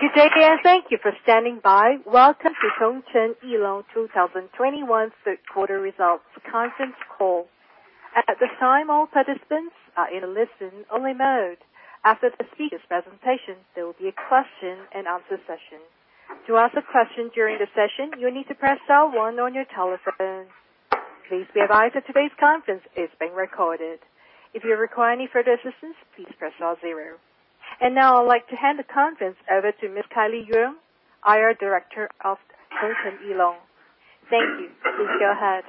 Good day, and thank you for standing by. Welcome to Tongcheng Travel 2021 third quarter results conference call. At this time, all participants are in a listen-only mode. After the speakers' presentation, there will be a question and answer session. To ask a question during the session, you'll need to press star one on your telephone. Please be advised that today's conference is being recorded. If you require any further assistance, please press star zero. Now I'd like to hand the conference over to Ms. Kylie Yeung, IR Director of Tongcheng Travel. Thank you. Please go ahead.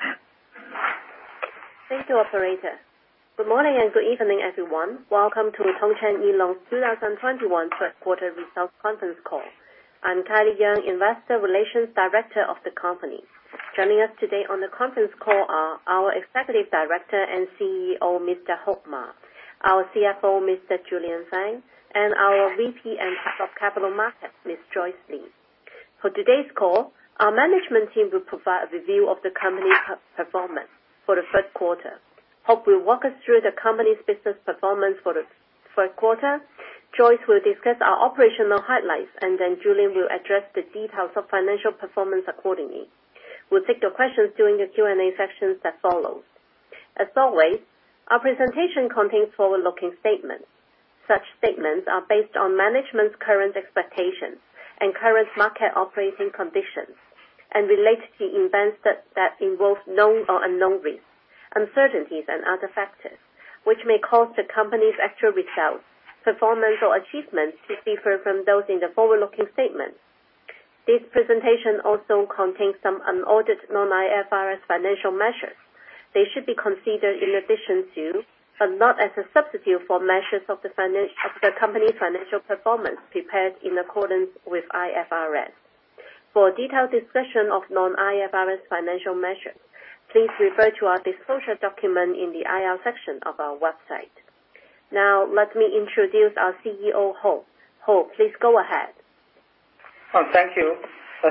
Thank you, Operator. Good morning and good evening, everyone. Welcome to Tongcheng Travel 2021 third quarter results conference call. I'm Kylie Yeung, Investor Relations Director of the company. Joining us today on the conference call are our Executive Director and CEO, Mr. Hope Ma, our CFO, Mr. Julian Fan, and our VP and Head of Capital Markets, Ms. Joyce Li. For today's call, our management team will provide a review of the company performance for the third quarter. Hope will walk us through the company's business performance for the third quarter. Joyce will discuss our operational highlights, and then Julian will address the details of financial performance accordingly. We'll take your questions during the Q&A sessions that follows. As always, our presentation contains forward-looking statements. Such statements are based on management's current expectations and current market operating conditions, and relate to events that involve known or unknown risks, uncertainties and other factors, which may cause the company's actual results, performance or achievements to differ from those in the forward-looking statements. This presentation also contains some unaudited non-IFRS financial measures. They should be considered in addition to, but not as a substitute for measures of the company's financial performance prepared in accordance with IFRS. For a detailed discussion of non-IFRS financial measures, please refer to our disclosure document in the IR section of our website. Now, let me introduce our CEO, Hope. Hope, please go ahead. Oh, thank you.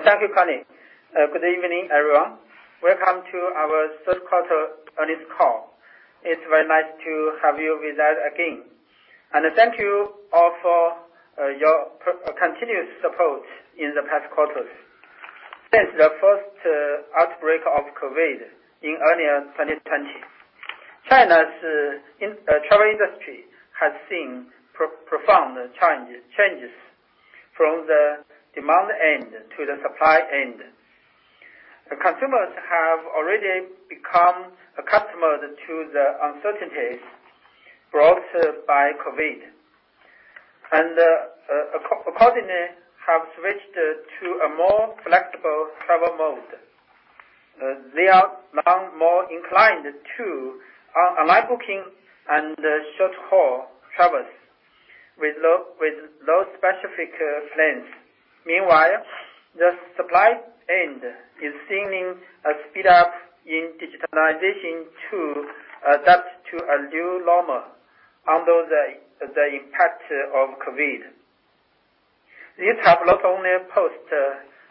Thank you, Kylie. Good evening, everyone. Welcome to our third quarter earnings call. It's very nice to have you with us again. Thank you all for your continuous support in the past quarters. Since the first outbreak of COVID in early 2022 China's travel industry has seen profound changes from the demand end to the supply end. The consumers have already become accustomed to the uncertainties brought by COVID. Accordingly, they have switched to a more flexible travel mode. They are now more inclined to online booking and short-haul travels with no specific plans. Meanwhile, the supply end is seeing a speed-up in digitalization to adapt to a new normal under the impact of COVID. These have not only posed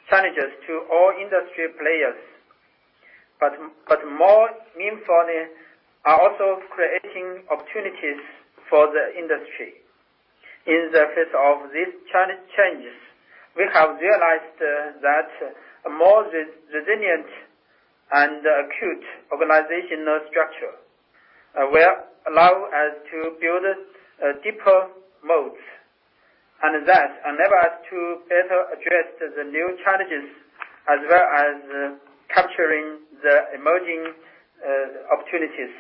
challenges to all industry players, but more meaningfully, are also creating opportunities for the industry. In the face of these changes, we have realized that a more resilient and agile organizational structure will allow us to build deeper moats. That enable us to better address the new challenges as well as capturing the emerging opportunities.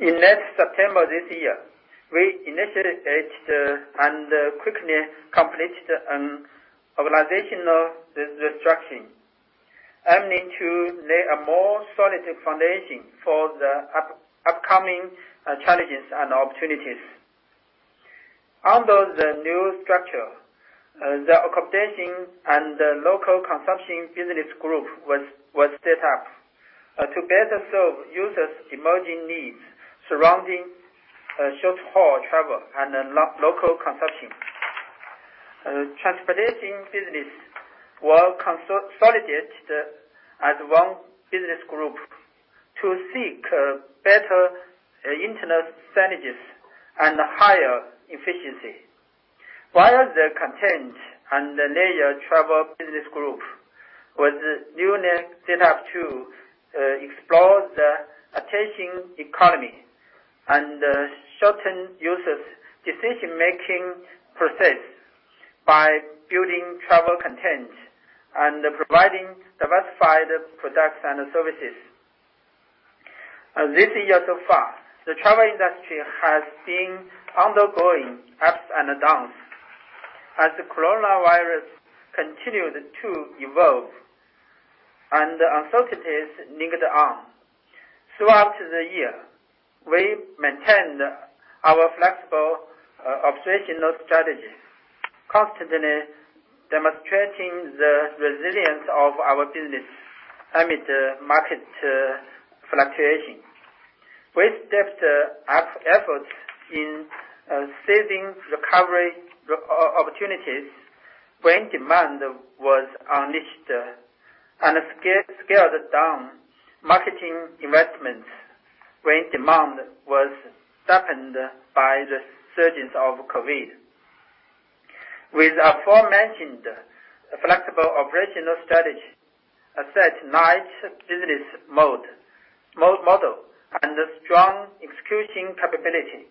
In late September this year, we initiated and quickly completed an organizational restructuring aiming to lay a more solid foundation for the upcoming challenges and opportunities. Under the new structure, the Accommodation and Local Consumption Business Group was set up to better serve users' emerging needs surrounding short-haul travel and local consumption. Transportation Business was consolidated as one business group to seek better internal synergies and higher efficiency. While the Content and Leisure Travel Business Group with a new setup to explore the attention economy and shorten users' decision-making process by building travel content and providing diversified products and services. This year so far, the travel industry has been undergoing ups and downs as the coronavirus continued to evolve and uncertainties lingered on. Throughout the year, we maintained our flexible operational strategy, constantly demonstrating the resilience of our business amid the market fluctuation. We stepped up efforts in seizing recovery opportunities when demand was unleashed, and scaled down marketing investments when demand was dampened by the surges of COVID. With the aforementioned flexible operational strategy, an asset-light business model, and a strong execution capability,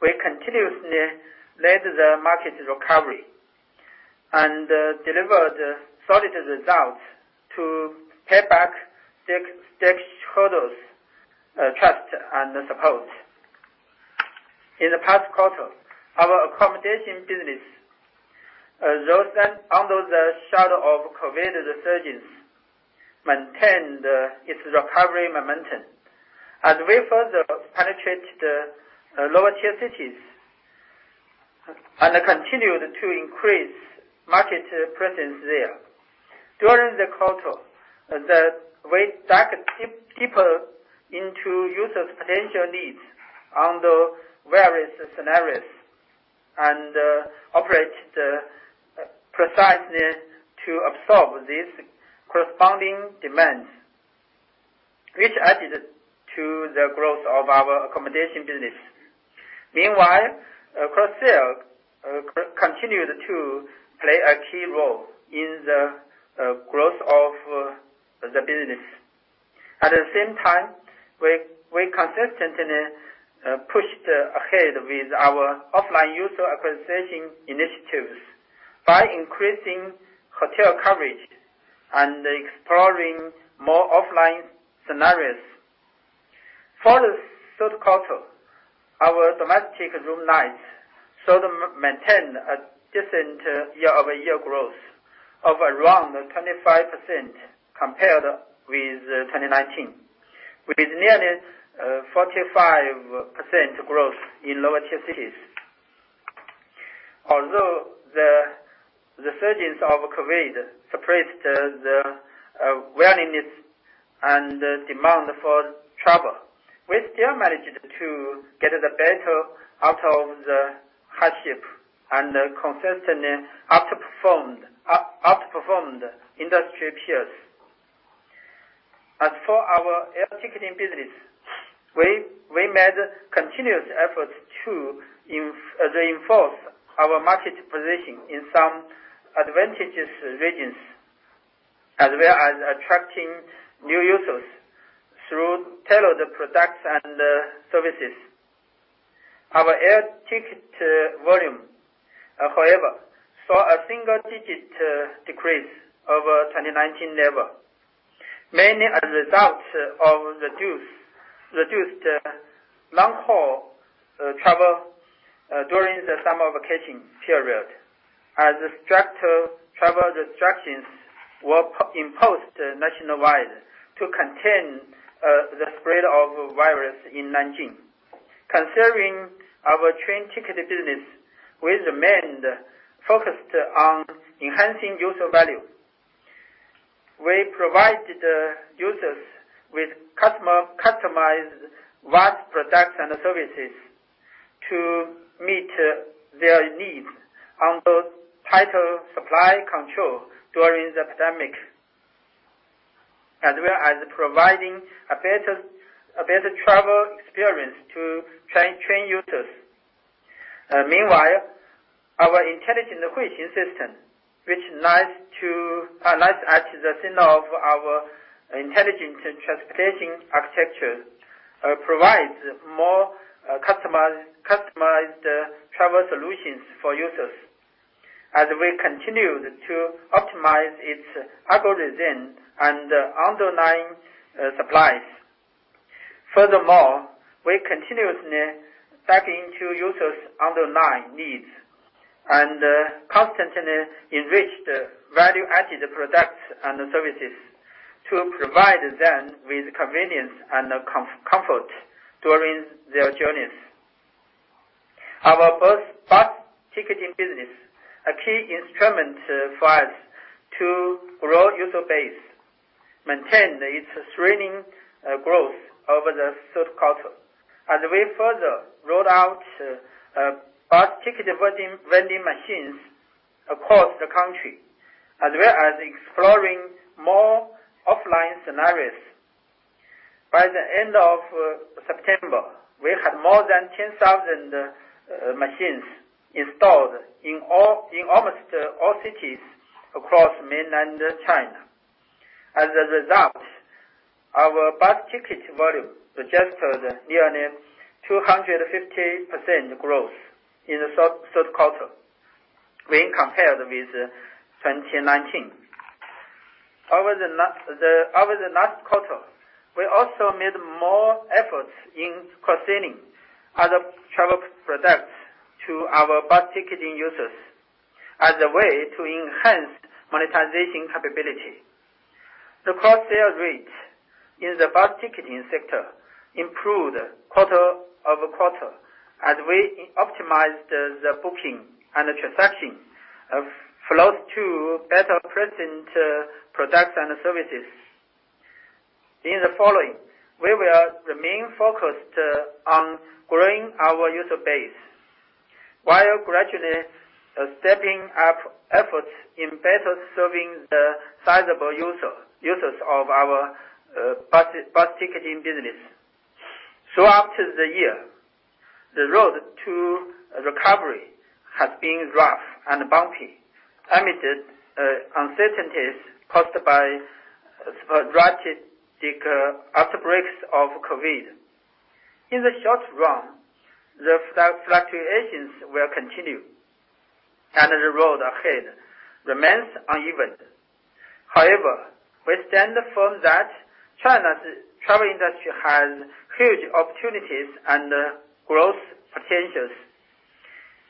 we continuously led the market recovery, and delivered solid results to pay back stakeholders trust and support. In the past quarter, our accommodation business, though under the shadow of COVID surges, maintained its recovery momentum, and we further penetrated lower tier cities, and continued to increase market presence there. During the quarter, we dug deeper into users' potential needs under various scenarios, and operated precisely to absorb these corresponding demands, which added to the growth of our accommodation business. Meanwhile, cross-sell continued to play a key role in the growth of the business. At the same time, we consistently pushed ahead with our offline user acquisition initiatives by increasing hotel coverage and exploring more offline scenarios. For the third quarter, our domestic room nights sort of maintained a decent year-over-year growth of around 25% compared with 2019, with nearly 45% growth in lower tier cities. Although the surges of COVID suppressed the willingness and demand for travel, we still managed to get the better out of the hardship and consistently outperformed industry peers. As for our air ticketing business, we made continuous efforts to reinforce our market position in some advantageous regions, as well as attracting new users through tailored products and services. Our air ticket volume, however, saw a single-digit decrease over 2019 level, mainly as a result of reduced long-haul travel during the summer vacation period, as strict travel restrictions were imposed nationwide to contain the spread of virus in Nanjing. Concerning our train ticket business, we remained focused on enhancing user value. We provided users with customized various products and services to meet their needs under tighter supply control during the pandemic, as well as providing a better travel experience to retain users. Meanwhile, our intelligent Huixing system, which lies at the center of our intelligent transportation architecture, provides more customized travel solutions for users as we continue to optimize its algorithm and underlying supplies. Furthermore, we continuously dug into users' underlying needs and constantly enriched value-added products and services to provide them with convenience and comfort during their journeys. Our bus ticketing business, a key instrument for us to grow user base, maintained its thrilling growth over the third quarter, and we further rolled out bus ticket vending machines across the country, as well as exploring more offline scenarios. By the end of September, we had more than 10,000 machines installed in almost all cities across mainland China. As a result, our bus ticket volume registered nearly 200% growth in the third quarter when compared with 2019. Over the last quarter, we also made more efforts in cross-selling other travel products to our bus ticketing users as a way to enhance monetization capability. The cross-sale rate in the bus ticketing sector improved quarter-over-quarter as we optimized the booking and transaction flows to better present products and services. In the following, we will remain focused on growing our user base while gradually stepping up efforts in better serving the sizable users of our bus ticketing business. Throughout the year, the road to recovery has been rough and bumpy, amid uncertainties caused by strategic outbreaks of COVID. In the short run, the fluctuations will continue, and the road ahead remains uneven. However, we stand firm that China's travel industry has huge opportunities and growth potentials,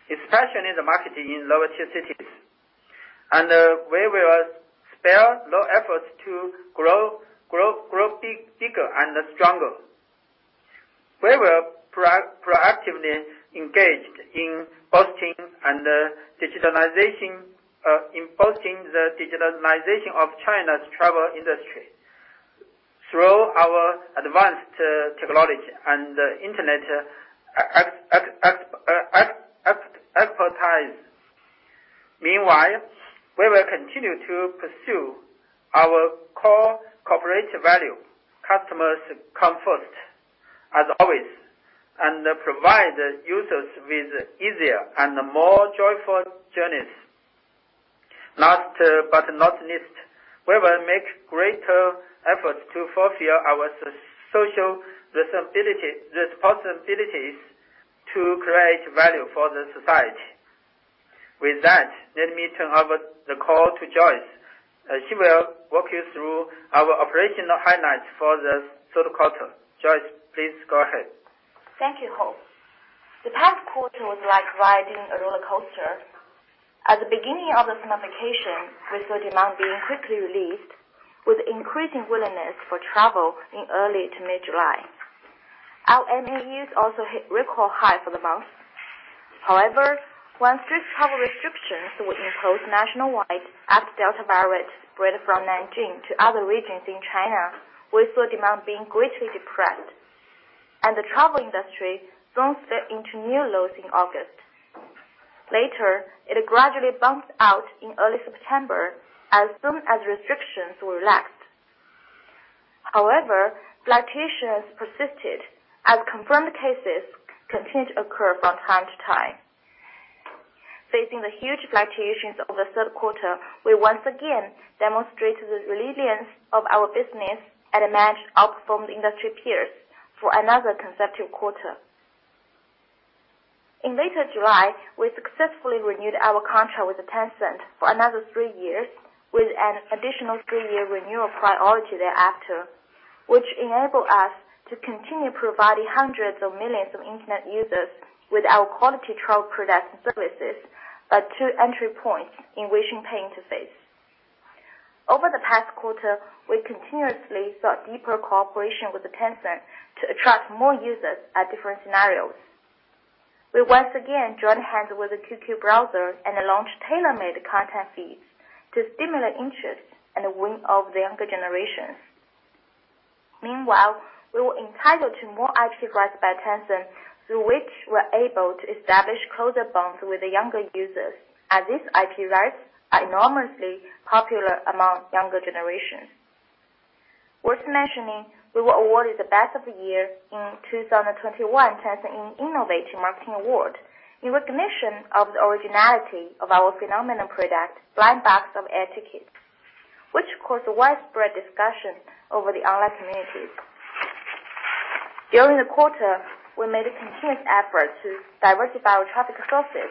especially in the market in lower tier cities. We will spare no effort to grow bigger and stronger. We will proactively engage in boosting the digitalization of China's travel industry through our advanced technology and internet expertise. Meanwhile, we will continue to pursue our core corporate value, customers come first as always, and provide users with easier and more joyful journeys. Last but not least, we will make greater efforts to fulfill our social responsibilities to create value for the society. With that, let me turn over the call to Joyce. She will walk you through our operational highlights for the third quarter. Joyce, please go ahead. Thank you, Hope. The past quarter was like riding a rollercoaster. At the beginning of the summer vacation, we saw demand being quickly released with increasing willingness for travel in early to mid-July. Our MAUs also hit record high for the month. However, when strict travel restrictions were imposed nationwide as Delta variant spread from Nanjing to other regions in China, we saw demand being greatly depressed. The travel industry plunged into new lows in August. Later, it gradually bounced out in early September as soon as restrictions were relaxed. However, fluctuations persisted as confirmed cases continued to occur from time to time. Facing the huge fluctuations of the third quarter, we once again demonstrated the resilience of our business and managed to outperform the industry peers for another consecutive quarter. In late July, we successfully renewed our contract with Tencent for another three years, with an additional three-year renewal priority thereafter, which enable us to continue providing hundreds of millions of internet users with our quality travel products and services at two entry points in WeChat Pay interface. Over the past quarter, we continuously sought deeper cooperation with Tencent to attract more users at different scenarios. We once again joined hands with the QQ Browser and launched tailor-made content feeds to stimulate interest in winning the younger generations. Meanwhile, we were entitled to more IP rights by Tencent, through which we're able to establish closer bonds with the younger users, as these IP rights are enormously popular among younger generations. Worth mentioning, we were awarded the Best of the Year in 2021 Tencent Innovative Marketing Award in recognition of the originality of our phenomenal product, Blind Box of Air Tickets, which caused a widespread discussion over the online community. During the quarter, we made a continuous effort to diversify our traffic sources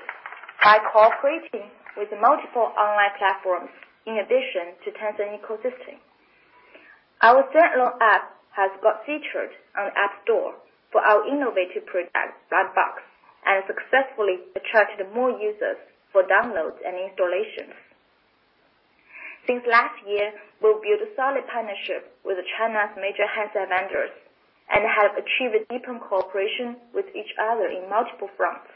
by cooperating with multiple online platforms in addition to Tencent ecosystem. Our standalone app has got featured on App Store for our innovative product, Blind Box, and successfully attracted more users for downloads and installations. Since last year, we've built a solid partnership with China's major handset vendors and have achieved a deeper cooperation with each other in multiple fronts.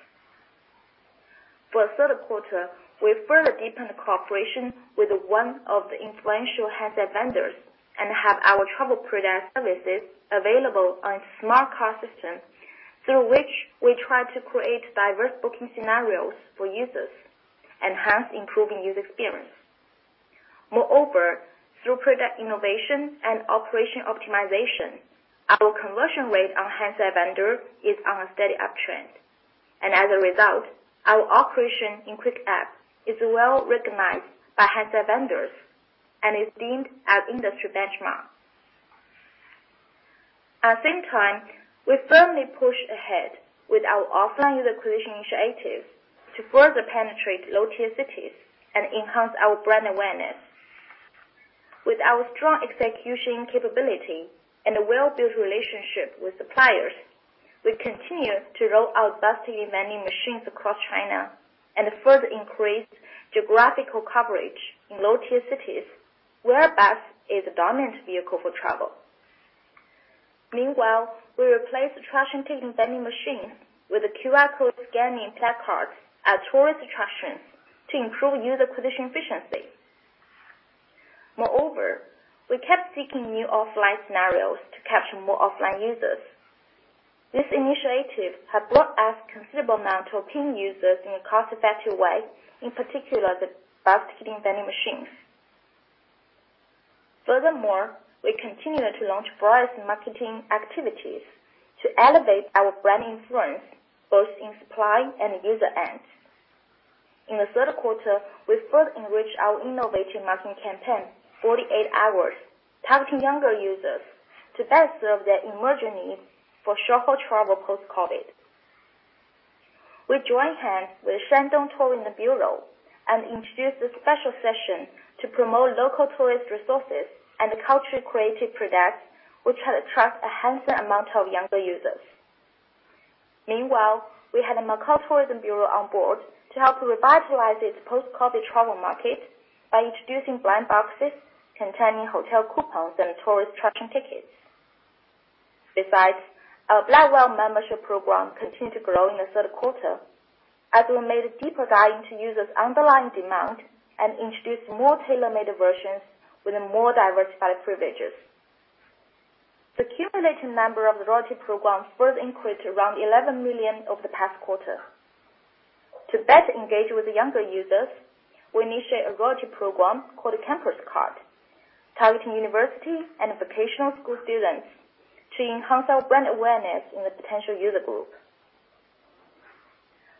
For the third quarter, we further deepened the cooperation with one of the influential handset vendors and have our travel product services available on smart car system, through which we try to create diverse booking scenarios for users and hence improving user experience. Moreover, through product innovation and operation optimization, our conversion rate on handset vendor is on a steady uptrend. As a result, our operation in quick app is well-recognized by handset vendors and is deemed as industry benchmark. At the same time, we firmly pushed ahead with our offline user acquisition initiatives to further penetrate low-tier cities and enhance our brand awareness. With our strong execution capability and a well-built relationship with suppliers, we continue to roll out bus ticketing vending machines across China and further increase geographical coverage in low-tier cities where bus is a dominant vehicle for travel. Meanwhile, we replaced the attraction ticket vending machine with a QR code scanning placard at tourist attractions to improve user acquisition efficiency. Moreover, we kept seeking new offline scenarios to capture more offline users. This initiative had brought us considerable amount of paying users in a cost-effective way, in particular, the bus ticketing vending machines. Furthermore, we continue to launch various marketing activities to elevate our brand influence, both in supply and user ends. In the third quarter, we further enriched our innovative marketing campaign, Forty-Eight Hours, targeting younger users to better serve their emerging needs for short-haul travel post-COVID. We joined hands with Shandong Provincial Department of Culture and Tourism and introduced a special session to promote local tourist resources and the cultural creative products, which attracted a handsome amount of younger users. Meanwhile, we had the Macao Government Tourism Office on board to help revitalize its post-COVID travel market by introducing Blind Boxes containing hotel coupons and tourist attraction tickets. Besides, our Black Whale membership program continued to grow in the third quarter as we made a deeper dive into users' underlying demand and introduced more tailor-made versions with a more diversified privileges. The cumulative number of loyalty programs further increased to around 11 million over the past quarter. To better engage with the younger users, we initiated a loyalty program called Campus Card, targeting university and vocational school students to enhance our brand awareness in the potential user group.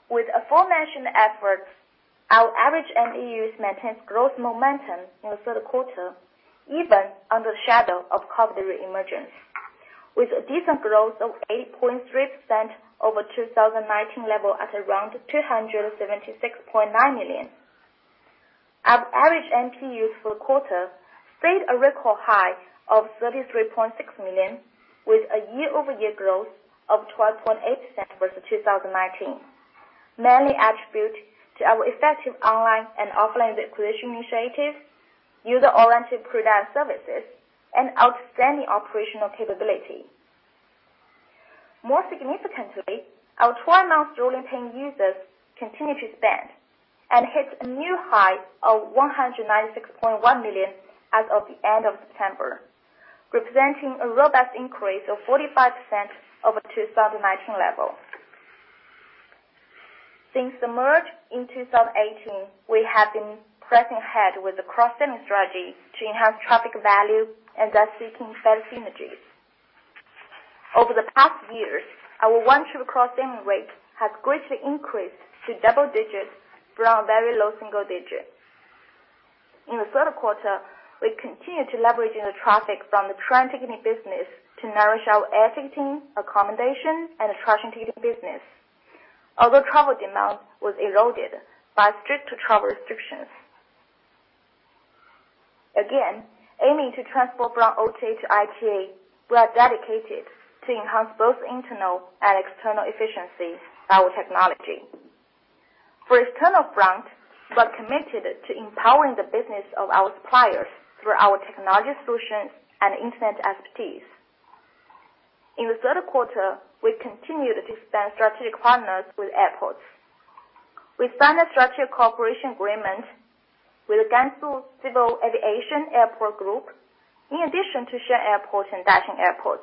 With aforementioned efforts, our average MAUs maintains growth momentum in the third quarter, even under the shadow of COVID reemergence, with a decent growth of 8.3% over 2019 level at around 276.9 million. Our average MPUs for the quarter stayed a record high of 33.6 million, with a year-over-year growth of 12.8% versus 2019. Mainly attribute to our effective online and offline acquisition initiatives, user-oriented product services and outstanding operational capability. More significantly, our twelve-month rolling paying users continue to expand and hit a new high of 196.1 million as of the end of September, representing a robust increase of 45% over 2019 level. Since the merger in 2018, we have been pressing ahead with the cross-selling strategy to enhance traffic value and thus seeking further synergies. Over the past years, our one-trip cross-selling rate has greatly increased to double digits from a very low single digit. In the third quarter, we continued to leverage the traffic from the train ticketing business to nourish our air ticketing, accommodation and attraction ticketing business, although travel demand was eroded by strict travel restrictions. Aiming to transform from OTA to ITA, we are dedicated to enhancing both internal and external efficiency through our technology. For the external front, we are committed to empowering the business of our suppliers through our technology solutions and internet expertise. In the third quarter, we continued to expand strategic partnerships with airports. We signed a strategic cooperation agreement with Gansu Civil Aviation Airport Group, in addition to Xi'an Airport and Dalian Airport,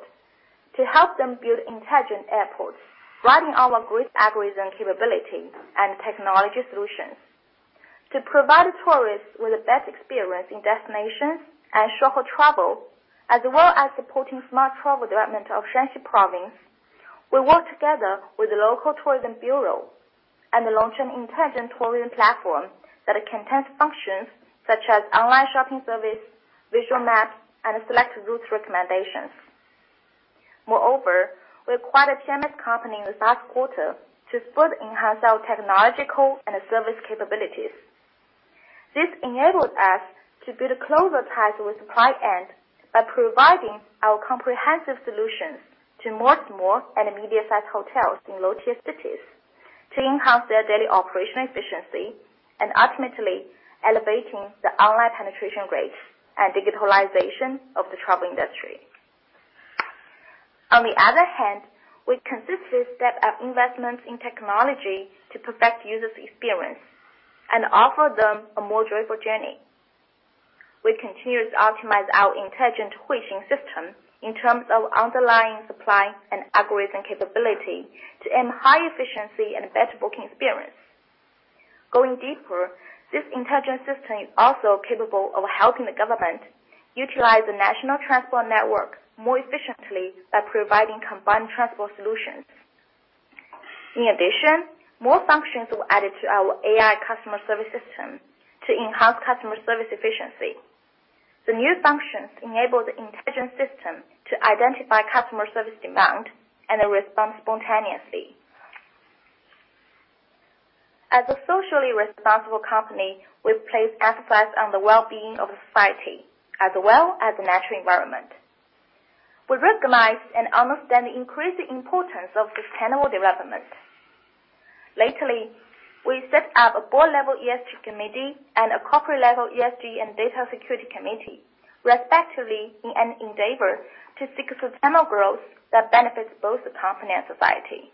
to help them build intelligent airports riding on our great algorithm capability and technology solutions. To provide tourists with the best experience in destinations and short-haul travel, as well as supporting smart travel development of Shaanxi Province, we worked together with the local tourism bureau and launched an intelligent tourism platform that contains functions such as online shopping service, visual maps, and select route recommendations. Moreover, we acquired a PMS company in the last quarter to further enhance our technological and service capabilities. This enabled us to build closer ties with supply end by providing our comprehensive solutions to more small and medium-sized hotels in low-tier cities to enhance their daily operational efficiency and ultimately elevating the online penetration rates and digitalization of the travel industry. On the other hand, we consistently step up investments in technology to perfect users' experience and offer them a more joyful journey. We continue to optimize our intelligent Huixing system in terms of underlying supply and algorithm capability to aim high efficiency and better booking experience. Going deeper, this intelligent system is also capable of helping the government utilize the national transport network more efficiently by providing combined transport solutions. In addition, more functions were added to our AI customer service system to enhance customer service efficiency. The new functions enable the intelligent system to identify customer service demand and respond spontaneously. As a socially responsible company, we place emphasis on the well-being of the society as well as the natural environment. We recognize and understand the increasing importance of sustainable development. Lately, we set up a board level ESG committee and a corporate level ESG and data security committee, respectively, in an endeavor to seek sustainable growth that benefits both the company and society.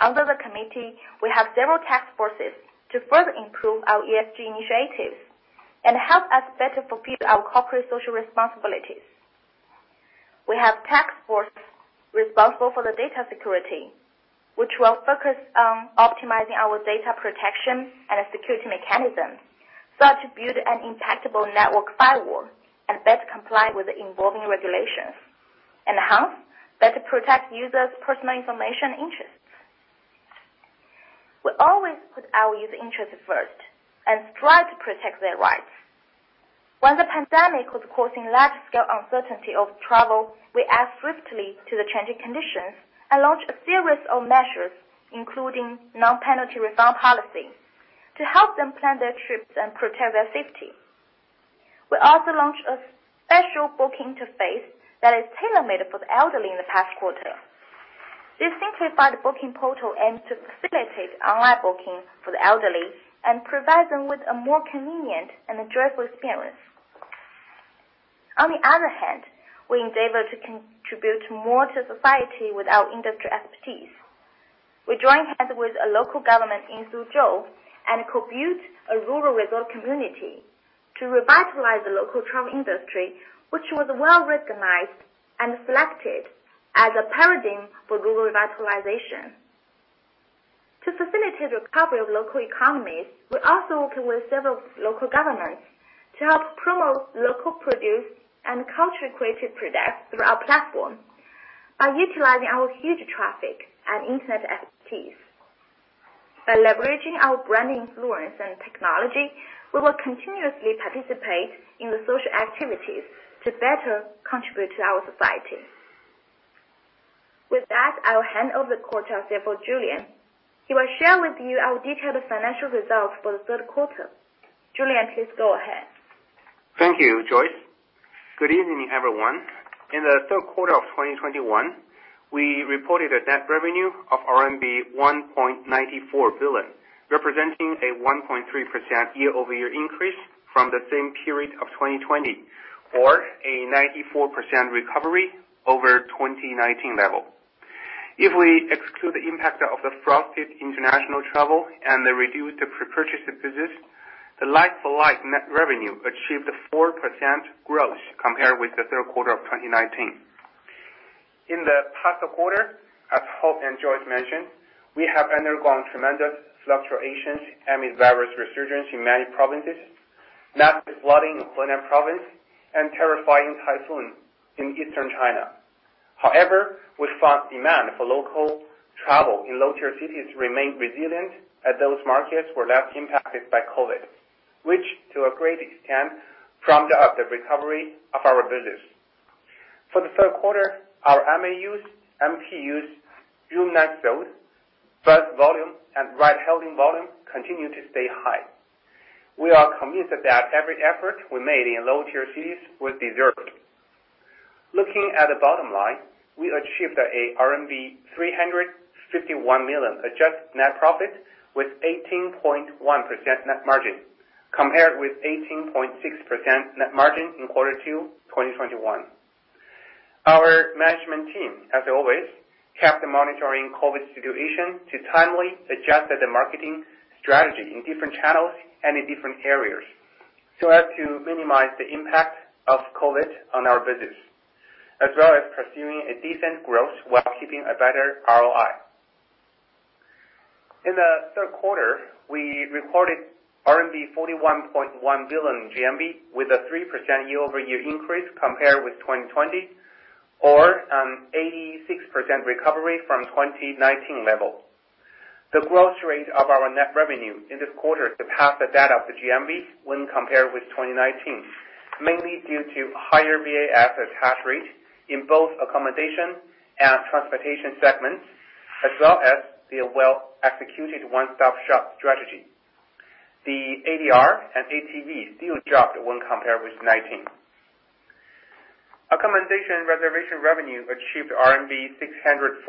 Under the committee, we have several task forces to further improve our ESG initiatives and help us better fulfill our corporate social responsibilities. We have task force responsible for the data security, which will focus on optimizing our data protection and security mechanisms, so as to build an impeccable network firewall and best comply with the evolving regulations, and hence, better protect users' personal information interests. We always put our user interests first and strive to protect their rights. When the pandemic was causing large scale uncertainty of travel, we act swiftly to the changing conditions and launch a series of measures, including non-penalty refund policy to help them plan their trips and protect their safety. We also launched a special booking interface that is tailor-made for the elderly in the past quarter. This simplified booking portal aims to facilitate online booking for the elderly and provide them with a more convenient and enjoyable experience. On the other hand, we endeavor to contribute more to society with our industry expertise. We join hands with a local government in Suzhou and co-built a rural resort community to revitalize the local travel industry, which was well-recognized and selected as a paradigm for rural revitalization. To facilitate recovery of local economies, we also work with several local governments to help promote local produce and culture creative products through our platform by utilizing our huge traffic and internet expertise. By leveraging our brand influence and technology, we will continuously participate in the social activities to better contribute to our society. With that, I'll hand over the quarter update for Julian. He will share with you our detailed financial results for the third quarter. Julian, please go ahead. Thank you, Joyce. Good evening, everyone. In the third quarter of 2021, we reported a net revenue of RMB 1.94 billion, representing a 1.3% year-over-year increase from the same period of 2020, or a 94% recovery over 2019 level. If we exclude the impact of the frozen international travel and the reduced prepurchased business, the like-for-like net revenue achieved a 4% growth compared with the third quarter of 2019. In the past quarter, as Hope and Joyce mentioned, we have undergone tremendous fluctuations amid various resurgence in many provinces, massive flooding in Hunan Province, and terrifying typhoon in eastern China. However, we found demand for local travel in low-tier cities remained resilient, as those markets were less impacted by COVID, which to a great extent prompted the recovery of our business. For the third quarter, our MAUs, MPUs, room night sold, bus volume, and ride-hailing volume continued to stay high. We are convinced that every effort we made in low-tier cities was deserved. Looking at the bottom line, we achieved a RMB 351 million adjusted net profit with 18.1% net margin compared with 18.6% net margin in quarter two, 2021. Our management team, as always, kept monitoring COVID situation to timely adjust the marketing strategy in different channels and in different areas so as to minimize the impact of COVID on our business, as well as pursuing a decent growth while keeping a better ROI. In the third quarter, we reported RMB 41.1 billion GMV with a 3% year-over-year increase compared with 2020 or an 86% recovery from 2019 level. The growth rate of our net revenue in this quarter surpassed that of the GMV when compared with 2019, mainly due to higher VAS attach rate in both accommodation and transportation segments, as well as the well-executed one-stop-shop strategy. The ADR and ATV still dropped when compared with 2019. Accommodation reservation revenue achieved RMB 645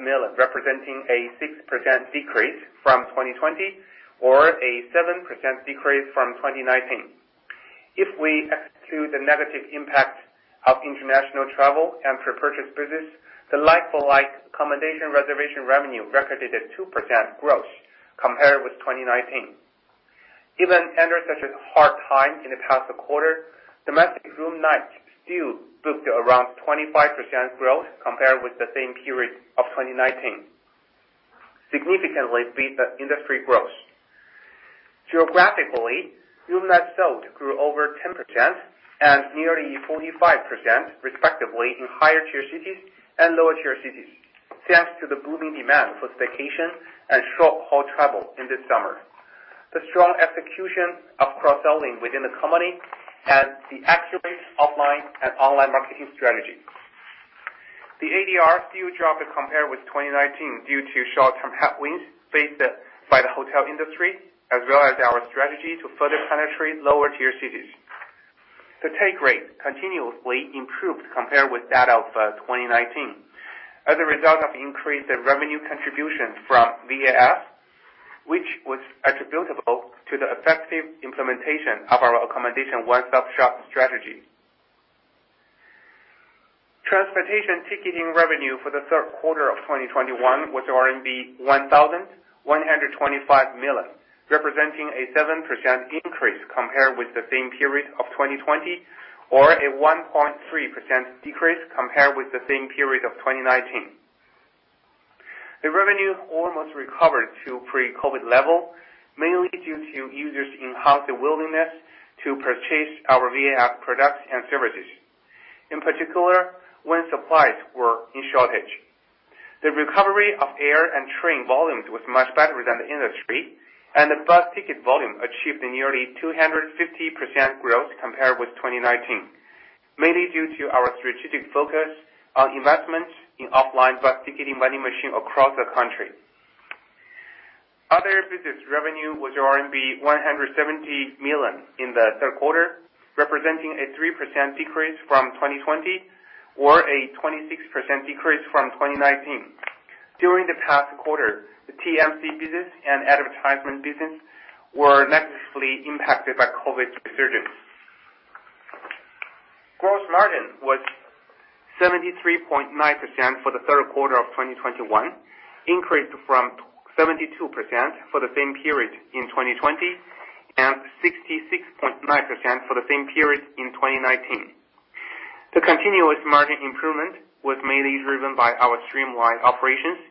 million, representing a 6% decrease from 2020 or a 7% decrease from 2019. If we exclude the negative impact of international travel and prepurchase business, the like-for-like accommodation reservation revenue recorded a 2% growth compared with 2019. Even under such a hard time in the past quarter, domestic room nights still booked around 25% growth compared with the same period of 2019. It significantly beat the industry growth. Geographically, room night sold grew over 10% and nearly 45% respectively in higher tier cities and lower tier cities, thanks to the booming demand for staycation and short-haul travel in the summer, the strong execution of cross-selling within the company, and the accurate offline and online marketing strategy. The ADR still dropped compared with 2019 due to short-term headwinds faced by the hotel industry, as well as our strategy to further penetrate lower tier cities. The take rate continuously improved compared with that of 2019 as a result of increased revenue contribution from VAS, which was attributable to the effective implementation of our accommodation one-stop shop strategy. Transportation ticketing revenue for the third quarter of 2021 was 1,125 million, representing a 7% increase compared with the same period of 2020 or a 1.3% decrease compared with the same period of 2019. The revenue almost recovered to pre-COVID level, mainly due to users' enhanced willingness to purchase our VAS products and services, in particular, when supplies were in shortage. The recovery of air and train volumes was much better than the industry, and the bus ticket volume achieved a nearly 250% growth compared with 2019, mainly due to our strategic focus on investments in offline bus ticketing vending machine across the country. Other business revenue was RMB 170 million in the third quarter, representing a 3% decrease from 2020 or a 26% decrease from 2019. During the past quarter, the TMC business and advertisement business were negatively impacted by COVID resurgence. Gross margin was 73.9% for the third quarter of 2021, increased from 72% for the same period in 2020 and 66.9% for the same period in 2019. The continuous margin improvement was mainly driven by our streamlined operations,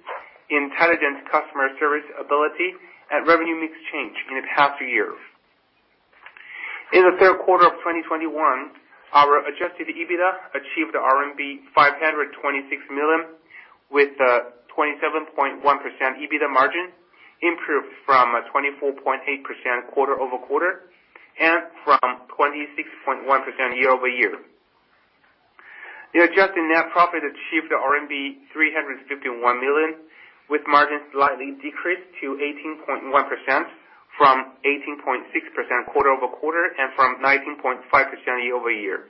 intelligent customer service ability, and revenue mix change in the past year. In the third quarter of 2021, our adjusted EBITDA achieved RMB 526 million with a 27.1% EBITDA margin, improved from a 24.8% quarter-over-quarter and from 26.1% year-over-year. The adjusted net profit achieved RMB 351 million, with margin slightly decreased to 18.1% from 18.6% quarter-over-quarter and from 19.5% year-over-year.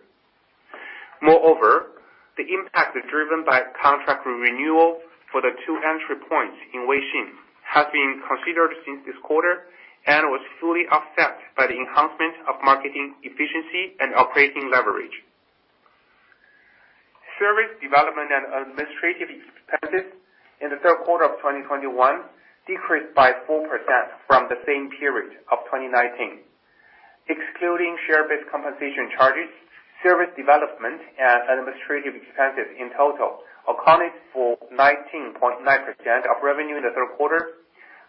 Moreover, the impact driven by contract renewal for the two entry points in Weixin has been considered since this quarter and was fully offset by the enhancement of marketing efficiency and operating leverage. Service development and administrative expenses in the third quarter of 2021 decreased by 4% from the same period of 2019. Excluding share-based compensation charges, service development and administrative expenses in total accounted for 19.9% of revenue in the third quarter,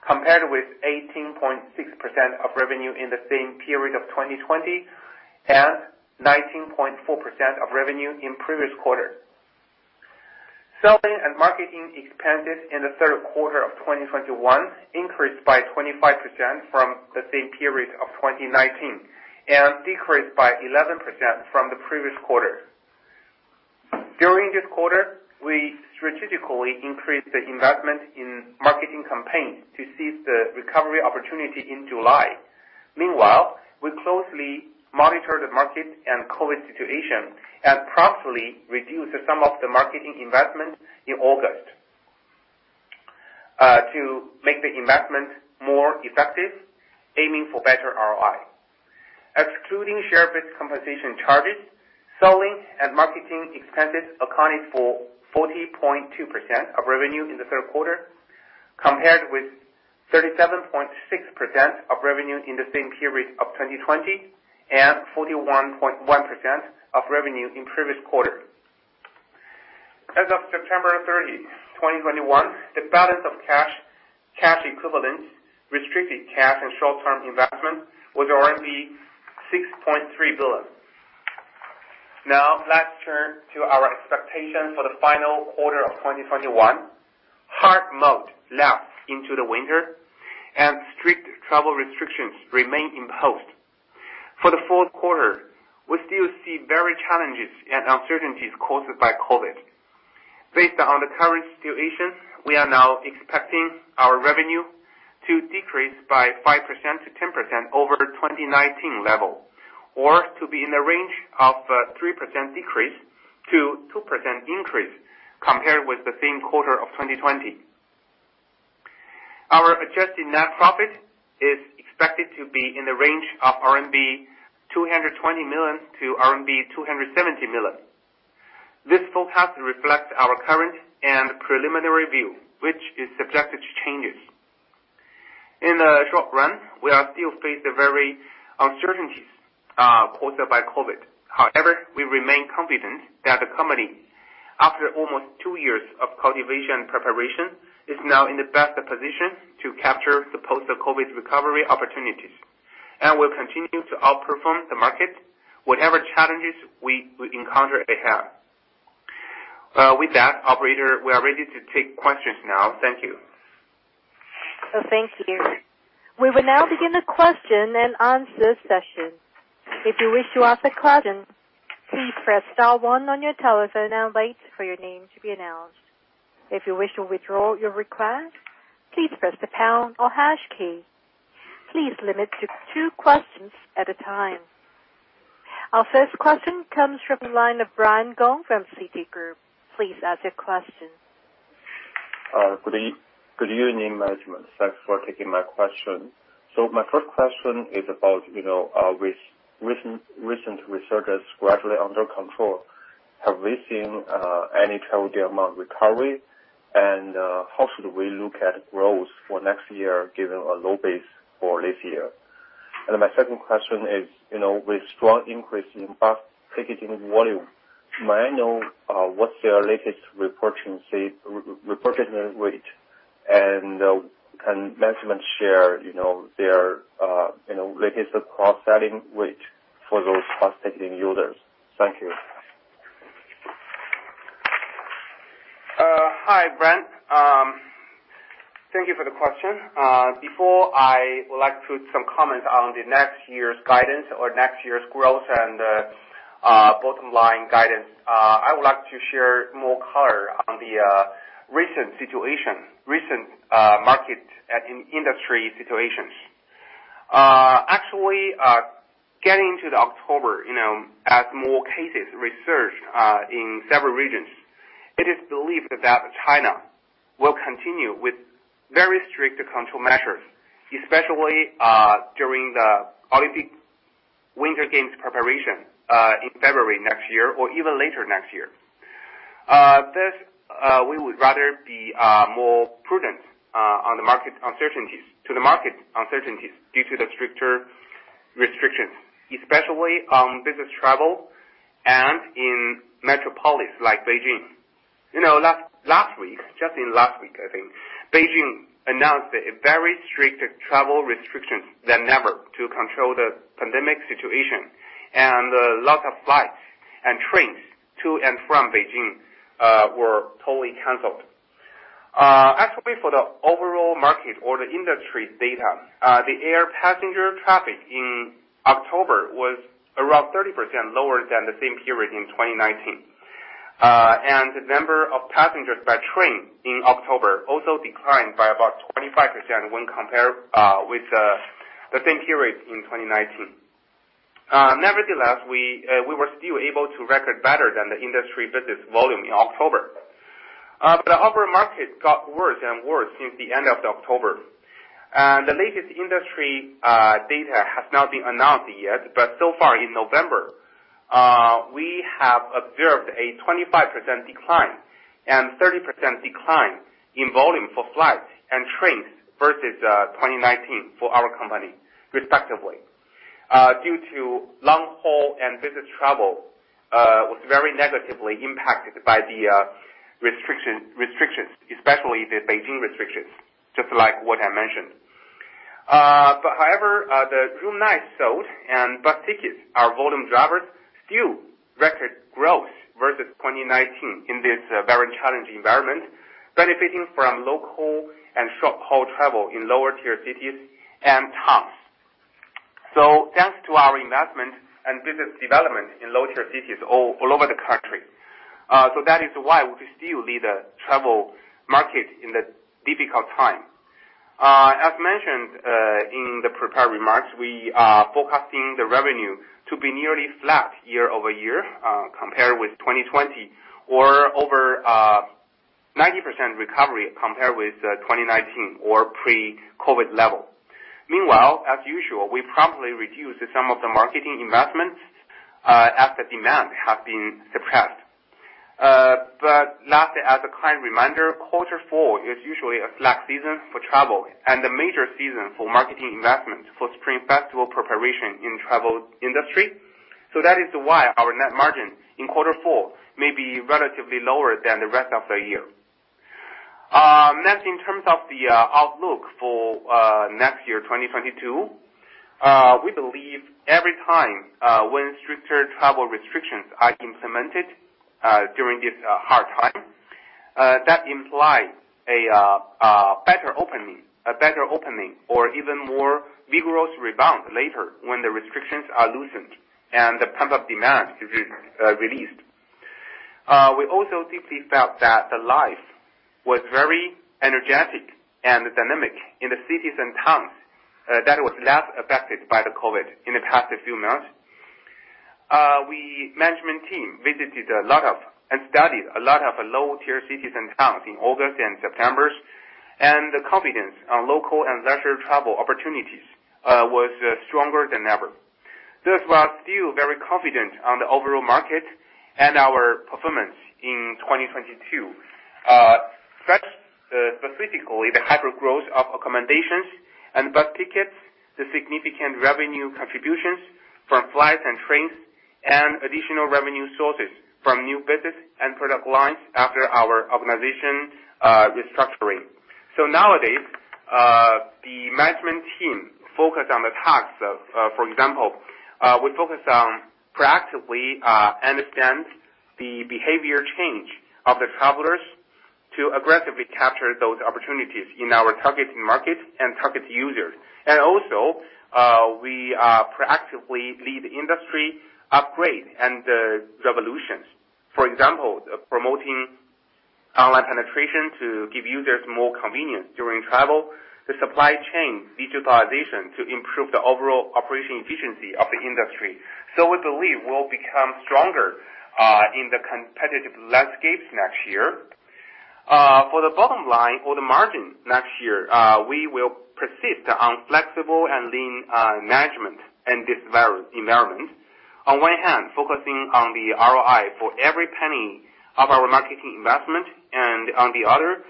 compared with 18.6% of revenue in the same period of 2020 and 19.4% of revenue in previous quarter. Selling and marketing expenses in the third quarter of 2021 increased by 25% from the same period of 2019 and decreased by 11% from the previous quarter. During this quarter, we strategically increased the investment in marketing campaigns to seize the recovery opportunity in July. Meanwhile, we closely monitor the market and COVID situation and promptly reduce some of the marketing investment in August to make the investment more effective, aiming for better ROI. Excluding share-based compensation charges, selling and marketing expenses accounted for 40.2% of revenue in the third quarter, compared with 37.6% of revenue in the same period of 2020 and 41.1% of revenue in previous quarter. As of September 30, 2021, the balance of cash equivalents, restricted cash and short-term investment was RMB 6.3 billion. Now, let's turn to our expectation for the fourth quarter of 2021. Hard mode lasts into the winter and strict travel restrictions remain imposed. For the fourth quarter, we still see varied challenges and uncertainties caused by COVID. Based on the current situation, we are now expecting our revenue to decrease by 5%-10% over 2019 level, or to be in the range of 3% decrease to 2% increase compared with the same quarter of 2020. Our adjusted net profit is expected to be in the range of 220 million-270 million RMB. This forecast reflects our current and preliminary view, which is subject to changes. In the short run, we are still faced with varied uncertainties caused by COVID. However, we remain confident that the company, after almost two years of cultivation and preparation, is now in the best position to capture the post-COVID recovery opportunities. We'll continue to outperform the market whatever challenges we encounter ahead. With that, operator, we are ready to take questions now. Thank you. Thank you. We will now begin the question and answer session. If you wish to ask a question. Please press star one on your telephone and wait for your name to be announced. If you wish to withdraw your request, please press the pound or hash key. Please limit to two questions at a time. Our first question comes from the line of Brian Gong from Citi. Please ask your question. Good evening, management. Thanks for taking my question. My first question is about, you know, with recent restrictions gradually under control, have we seen any travel demand recovery? How should we look at growth for next year, given a low base for this year? My second question is, you know, with strong increase in bus ticketing volume, may I know, what's your latest repurchase rate? Can management share, you know, their latest cross-selling rate for those bus ticketing users? Thank you. Hi, Brian. Thank you for the question. Before I would like to put some comments on the next year's guidance or next year's growth and bottom line guidance, I would like to share more color on the recent situation, recent market and in-industry situations. Actually, getting to the October, you know, as more cases resurged in several regions, it is believed that China will continue with very strict control measures, especially during the Olympic Winter Games preparation in February next year or even later next year. Thus, we would rather be more prudent to the market uncertainties due to the stricter restrictions, especially on business travel and in metropolis like Beijing. You know, last week, just last week, I think, Beijing announced stricter travel restrictions than ever to control the pandemic situation, and a lot of flights and trains to and from Beijing were totally canceled. Actually, for the overall market or the industry data, the air passenger traffic in October was around 30% lower than the same period in 2019. The number of passengers by train in October also declined by about 25% when compared with the same period in 2019. Nevertheless, we were still able to record better than the industry business volume in October. The overall market got worse and worse since the end of October. The latest industry data has not been announced yet, but so far in November, we have observed a 25% decline and 30% decline in volume for flights and trains versus 2019 for our company, respectively, due to long-haul and business travel was very negatively impacted by the restrictions, especially the Beijing restrictions, just like what I mentioned. But however, the room nights sold and bus tickets, our volume drivers, still record growth versus 2019 in this very challenging environment, benefiting from local and short-haul travel in lower-tier cities and towns. Thanks to our investment and business development in lower-tier cities all over the country. That is why we still lead the travel market in this difficult time. As mentioned in the prepared remarks, we are forecasting the revenue to be nearly flat year-over-year compared with 2020 or over 90% recovery compared with 2019 or pre-COVID level. Meanwhile, as usual, we probably reduce some of the marketing investments as the demand has been suppressed. But lastly, as a kind reminder, quarter four is usually a flat season for travel and a major season for marketing investments for spring festival preparation in travel industry. That is why our net margin in quarter four may be relatively lower than the rest of the year. Next, in terms of the outlook for next year, 2022, we believe every time when stricter travel restrictions are implemented during this hard time that implies a better opening or even more vigorous rebound later when the restrictions are loosened and the pent-up demand is released. We also deeply felt that the life was very energetic and dynamic in the cities and towns that was less affected by the COVID in the past few months. Our management team visited a lot of and studied a lot of low-tier cities and towns in August and September, and the confidence on local and leisure travel opportunities was stronger than ever. Thus, we are still very confident on the overall market and our performance in 2022. First, specifically the hypergrowth of accommodations and bus tickets, the significant revenue contributions from flights and trains, and additional revenue sources from new business and product lines after our organization restructuring. Nowadays, the management team focus on the tasks of, for example, we focus on proactively understand the behavior change of the travelers to aggressively capture those opportunities in our target market and target users. Also, we are proactively lead industry upgrade and revolutions. For example, promoting online penetration to give users more convenience during travel, the supply chain digitalization to improve the overall operation efficiency of the industry. We believe we'll become stronger in the competitive landscapes next year. For the bottom line or the margin next year, we will persist on flexible and lean management in this environment. On one hand, focusing on the ROI for every penny of our marketing investment and on the other,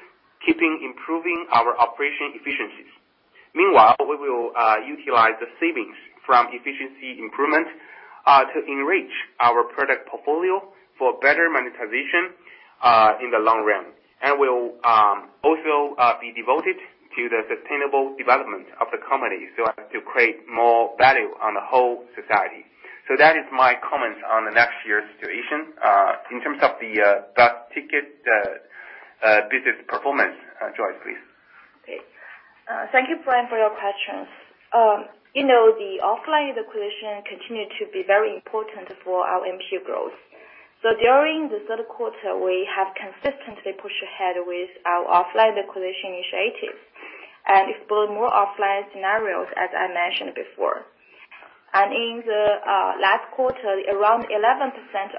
keeping improving our operation efficiencies. Meanwhile, we will utilize the savings from efficiency improvement to enrich our product portfolio for better monetization in the long run. We'll also be devoted to the sustainable development of the company so as to create more value on the whole society. That is my comment on the next year's situation. In terms of the bus ticket business performance, Joyce, please. Okay. Thank you, Brian, for your questions. You know, the offline acquisition continue to be very important for our MPU growth. During the third quarter, we have consistently pushed ahead with our offline acquisition initiatives and explore more offline scenarios, as I mentioned before. In the last quarter, around 11%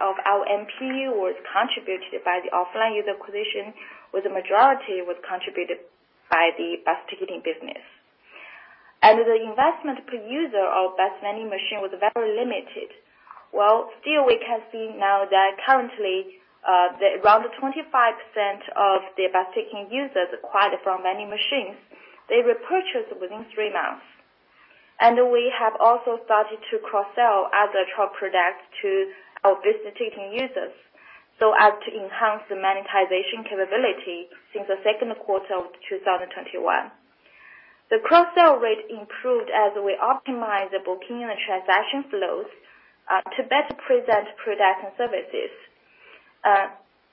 of our MPU was contributed by the offline user acquisition, with the majority was contributed by the bus ticketing business. The investment per user of bus vending machine was very limited. Well, still we can see now that currently, the around 25% of the bus ticketing users acquired from vending machines, they repurchase within three months. We have also started to cross-sell other travel products to our bus ticketing users so as to enhance the monetization capability since the second quarter of 2021. The cross-sell rate improved as we optimized the booking and transaction flows to better present products and services.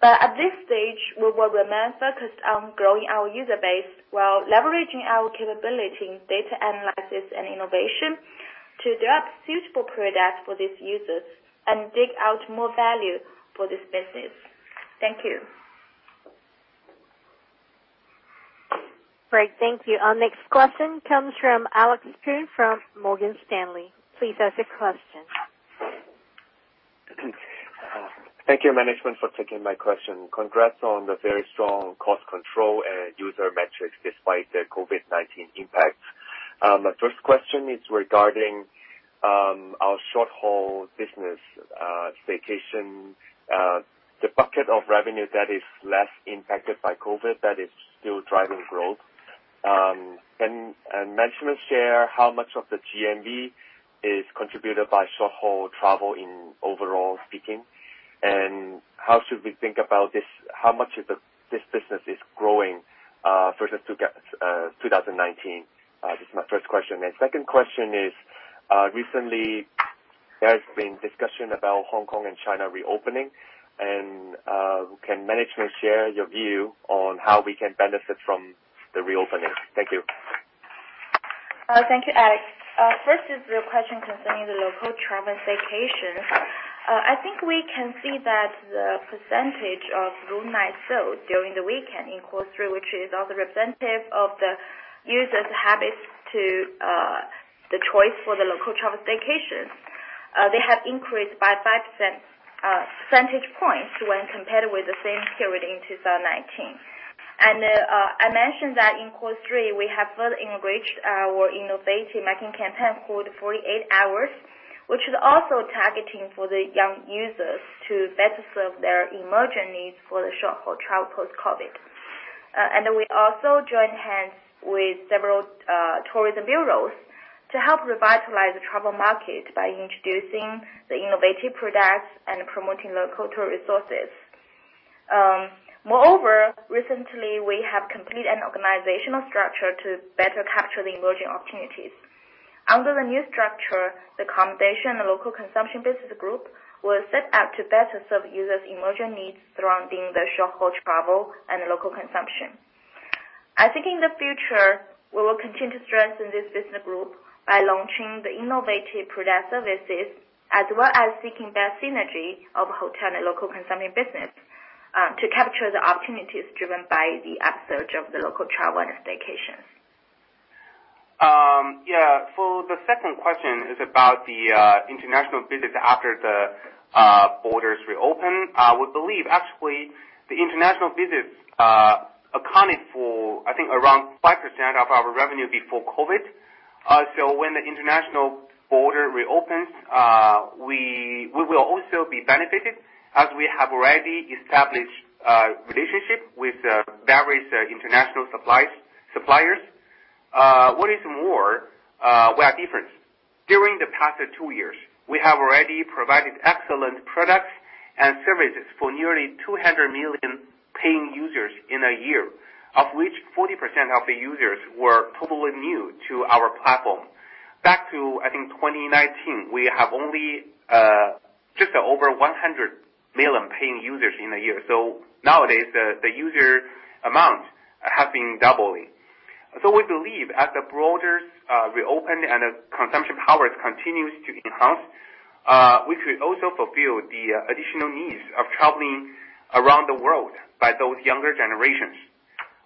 At this stage, we will remain focused on growing our user base while leveraging our capability in data analysis and innovation to develop suitable products for these users and dig out more value for this business. Thank you. Great. Thank you. Our next question comes from Alex Poon from Morgan Stanley. Please ask your question. Thank you, management, for taking my question. Congrats on the very strong cost control and user metrics despite the COVID-19 impact. My first question is regarding our short-haul business, staycation, the bucket of revenue that is less impacted by COVID that is still driving growth. Can management share how much of the GMV is contributed by short-haul travel in overall speaking? And how should we think about this? How much of this business is growing versus 2019? This is my first question. Second question is, recently there has been discussion about Hong Kong and China reopening, and can management share your view on how we can benefit from the reopening? Thank you. Thank you, Alex. First is your question concerning the local travel and staycation. I think we can see that the percentage of room night sold during the weekend in quarter three, which is also representative of the users' habits to the choice for the local travel staycation, they have increased by 5% percentage points when compared with the same period in 2019. I mentioned that in quarter three, we have further enriched our innovative marketing campaign called Forty-Eight Hours, which is also targeting for the young users to better serve their emerging needs for the short-haul travel post-COVID. We also joined hands with several tourism bureaus to help revitalize the travel market by introducing the innovative products and promoting local tour resources. Moreover, recently we have completed an organizational structure to better capture the emerging opportunities. Under the new structure, the accommodation and local consumption business group was set up to better serve users' emerging needs surrounding the short-haul travel and local consumption. I think in the future, we will continue to strengthen this business group by launching the innovative product services as well as seeking better synergy of hotel and local consuming business, to capture the opportunities driven by the upsurge of the local travel and staycation. Yeah. For the second question is about the international business after the borders reopen. We believe actually the international business accounted for, I think, around 5% of our revenue before COVID. When the international border reopens, we will also be benefited as we have already established relationship with various international suppliers. What is more, we are different. During the past two years, we have already provided excellent products and services for nearly 200 million paying users in a year, of which 40% of the users were totally new to our platform. Back to, I think, 2019, we have only over 100 million paying users in a year. Nowadays, the user amount has been doubling. We believe as the borders reopen and the consumption power continues to enhance, we could also fulfill the additional needs of traveling around the world by those younger generations.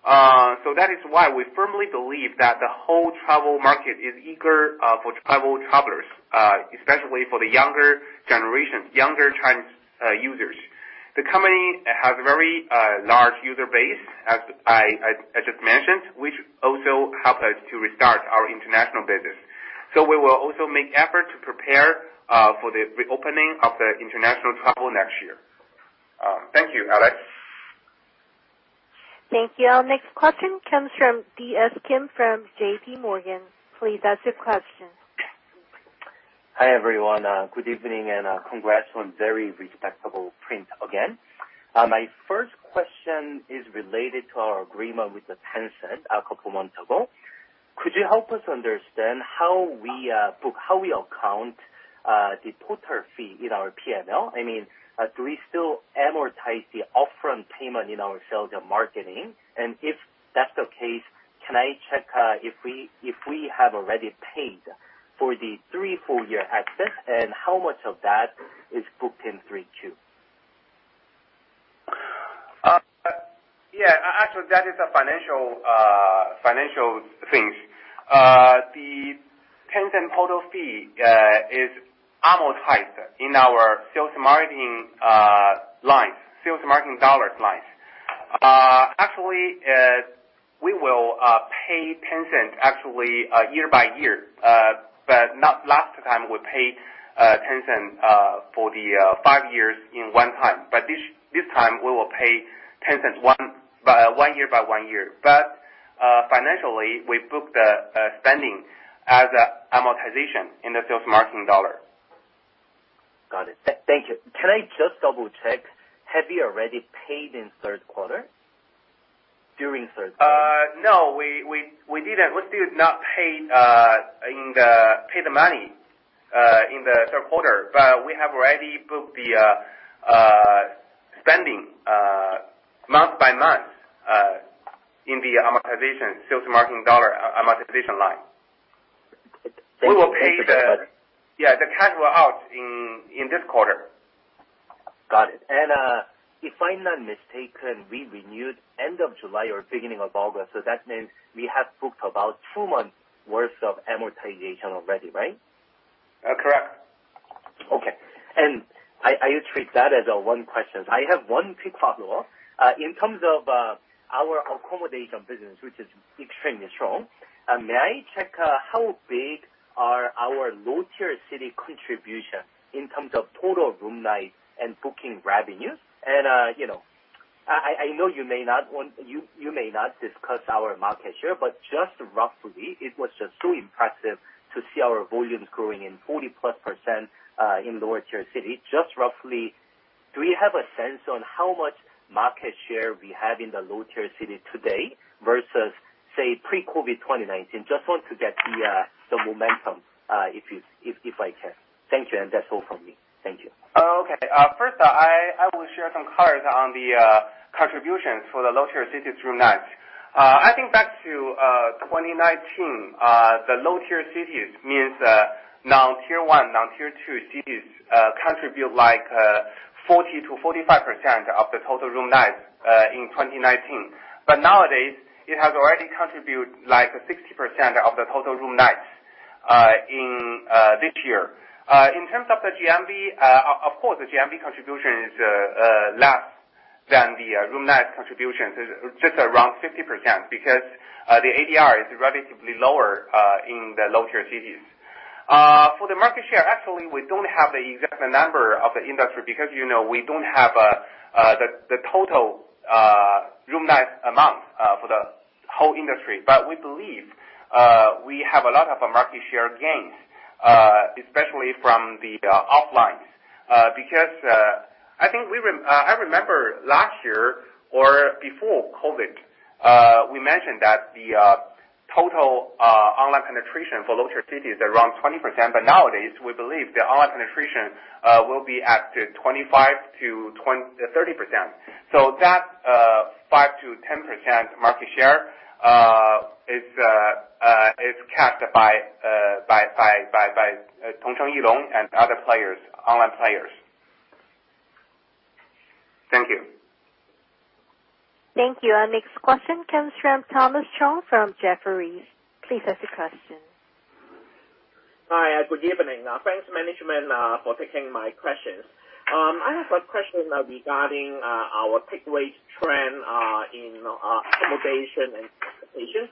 That is why we firmly believe that the whole travel market is eager for travelers, especially for the younger generation, younger Chinese users. The company has a very large user base, as I just mentioned, which also help us to restart our international business. We will also make effort to prepare for the reopening of the international travel next year. Thank you, Alex. Thank you. Our next question comes from D.S. Kim from J.P. Morgan. Please ask your question. Hi, everyone. Good evening and congrats on very respectable print again. My first question is related to our agreement with Tencent a couple months ago. Could you help us understand how we account the total fee in our P&L? I mean, do we still amortize the upfront payment in our sales and marketing? And if that's the case, can I check if we have already paid for the 3-year full access, and how much of that is booked in 3Q? Actually, that is a financial thing. The Tencent total fee is amortized in our sales and marketing line. Actually, we will pay Tencent year by year, but not last time we paid Tencent for the five years in one time. This time, we will pay Tencent one year by one year. Financially, we book the spending as an amortization in the sales and marketing line. Got it. Thank you. Can I just double-check, have you already paid in third quarter? During third quarter? No, we didn't. We still have not paid the money in the third quarter, but we have already booked the spending month by month in the amortization, sales marketing dollar amortization line. Thank you. The cash will flow out in this quarter. Got it. If I'm not mistaken, we renewed end of July or beginning of August, so that means we have booked about two months worth of amortization already, right? Correct. Okay. I treat that as one question. I have one quick follow-up. In terms of our accommodation business, which is extremely strong, may I check how big are our low-tier city contribution in terms of total room nights and booking revenue? You know, I know you may not discuss our market share, but just roughly, it was just so impressive to see our volumes growing 40+% in low-tier city. Just roughly, do we have a sense on how much market share we have in the low-tier city today versus, say, pre-COVID 2019? I just want to get the momentum if I can. Thank you, and that's all from me. Thank you. Okay, first, I will share some colors on the contributions for the low-tier cities room nights. I think back to 2019, the low-tier cities means non-tier one, non-tier two cities contribute like 40%-45% of the total room nights in 2019. Nowadays, it has already contribute like 60% of the total room nights in this year. In terms of the GMV, of course, the GMV contribution is less than the room nights contribution. It's just around 50% because the ADR is relatively lower in the low-tier cities. For the market share, actually, we don't have the exact number of the industry because, you know, we don't have the total room night amount for the whole industry. But we believe we have a lot of a market share gains, especially from the offlines. Because I think I remember last year or before COVID, we mentioned that the total online penetration for low-tier cities is around 20%, but nowadays, we believe the online penetration will be at 25%-30%. So that 5%-10% market share is captured by Tongcheng Travel and other players, online players. Thank you. Thank you. Our next question comes from Thomas Chong from Jefferies. Please ask your question. Hi, good evening. Thanks, management, for taking my questions. I have a question regarding our take rate trend in accommodation and transportation.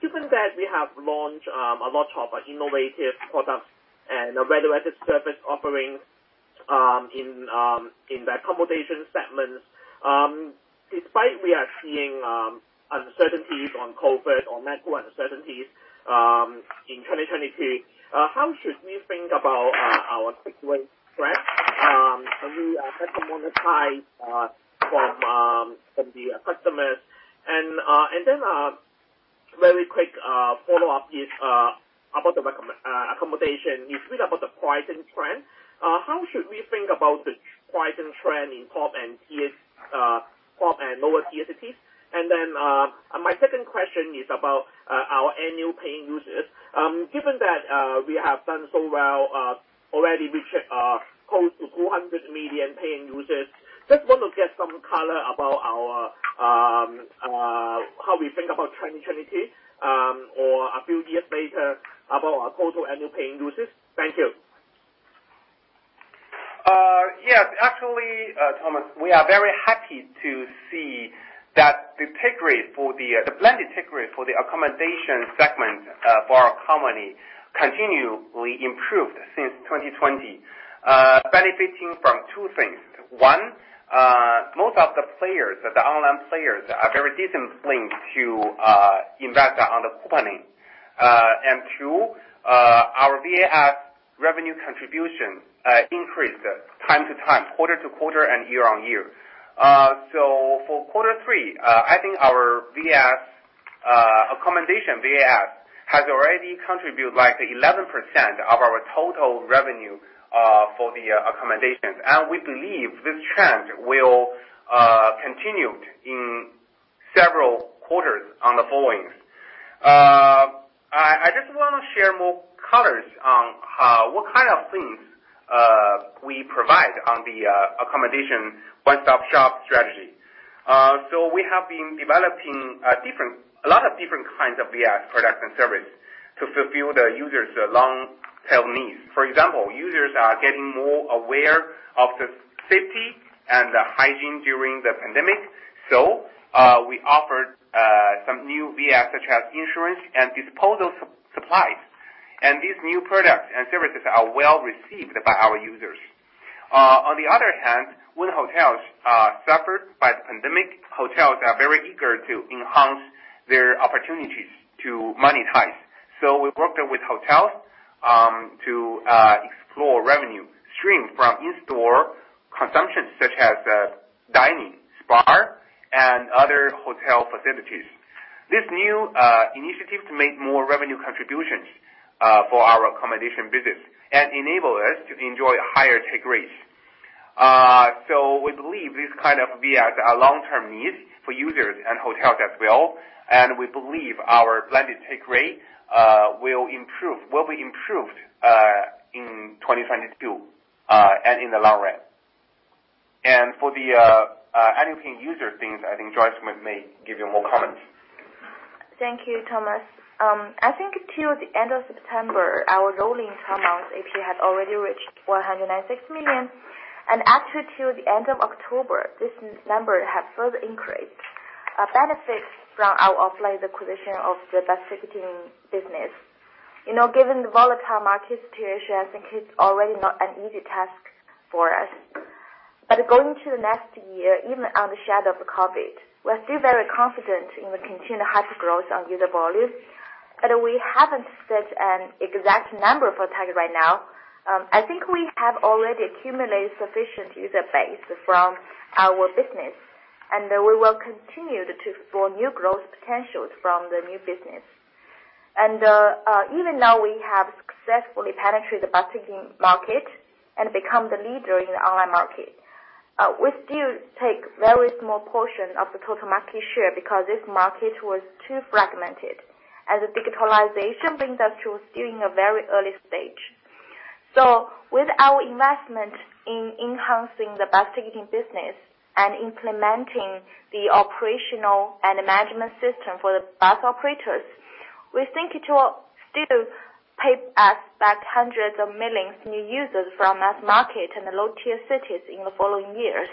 Given that we have launched a lot of innovative products and value-added service offerings in the accommodation segment, despite we are seeing uncertainties on COVID or macro uncertainties in 2022, how should we think about our take rate trend as we try to monetize from the customers? Very quick follow-up is about the accommodation. You speak about the pricing trend. How should we think about the pricing trend in top and lower tier cities? My second question is about our annual paying users. Given that we have done so well, already reached close to 200 million paying users, just want to get some color about how we think about trend trajectory or a few years later about our total annual paying users. Thank you. Yes. Actually, Thomas, we are very happy to see that the take rate for the blended take rate for the accommodation segment for our company continually improved since 2020, benefiting from two things. One, most of the players, the online players are very disciplined to invest on the couponing. Two, our VAS revenue contribution increased time to time, quarter-to-quarter and year-on-year. For quarter three, I think our VAS accommodation VAS has already contributed like 11% of our total revenue for the accommodations. We believe this trend will continue in several quarters on the followings. I just wanna share more colors on how what kind of things we provide on the accommodation one-stop-shop strategy. We have been developing different, a lot of different kinds of VAS products and service to fulfill the users' long tail needs. For example, users are getting more aware of the safety and the hygiene during the pandemic. We offered some new VAS such as insurance and disposal supplies, and these new products and services are well received by our users. On the other hand, when hotels are suffered by the pandemic, hotels are very eager to enhance their opportunities to monetize. We worked with hotels to explore revenue stream from in-store consumption such as dining, spa and other hotel facilities. This new initiative to make more revenue contributions for our accommodation business and enable us to enjoy higher take rates. We believe this kind of VAS are long-term needs for users and hotels as well, and we believe our blended take rate will be improved in 2022 and in the long run. For the annual paying user things, I think Joyce may give you more comments. Thank you, Thomas. I think till the end of September, our rolling 12-month APU had already reached 196 million. Actually, till the end of October, this number had further increased, benefiting from our offline acquisition of the bus ticketing business. You know, given the volatile market situation, I think it's already not an easy task for us. Going to the next year, even in the shadow of the COVID, we're still very confident in the continued hypergrowth on user volume, but we haven't set an exact number for target right now. I think we have already accumulated sufficient user base from our business, and we will continue to explore new growth potentials from the new business. Even though we have successfully penetrated the bus ticketing market and become the leader in the online market, we still take very small portion of the total market share because this market was too fragmented as digitalization brings us to still in a very early stage. With our investment in enhancing the bus ticketing business and implementing the operational and management system for the bus operators, we think it will still pay us back hundreds of millions new users from mass market and the low-tier cities in the following years.